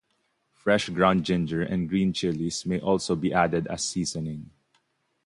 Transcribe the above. Fresh ground ginger and green chillies may also be added as seasoning.